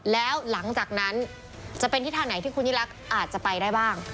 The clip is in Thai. แล้วหลังจากนั้นจะเป็นทิศทางไหนที่คุณยิ่งรักอาจจะไปได้บ้าง